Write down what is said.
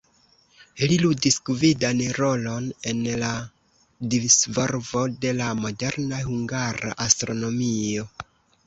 Li ludis gvidan rolon en la disvolvo de la moderna hungara astronomio.